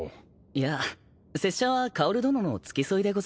いや拙者は薫殿の付き添いでござる。